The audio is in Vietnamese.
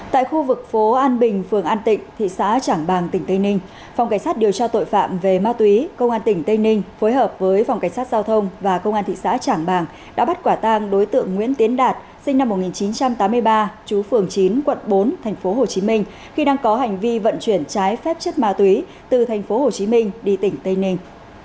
tại khu vực phố an bình phường an tịnh thị xã trảng bàng tỉnh tây ninh phòng cảnh sát điều tra tội phạm về ma túy công an tỉnh tây ninh phối hợp với phòng cảnh sát giao thông và công an thị xã trảng bàng đã bắt quả tang đối tượng nguyễn tiến đạt sinh năm một nghìn chín trăm tám mươi ba chú phường chín quận bốn thành phố hồ chí minh khi đang có hành vi vận chuyển trái phép chất ma túy từ thành phố hồ chí minh đi tỉnh tây ninh